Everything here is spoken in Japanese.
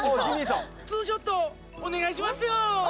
ツーショットお願いしますよ！